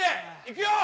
いくよ！